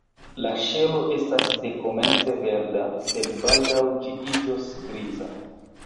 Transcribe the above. La ŝelo estas dekomence verda, sed baldaŭ ĝi iĝos griza.